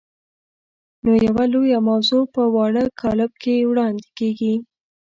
نو یوه لویه موضوع په واړه کالب کې وړاندې کېږي.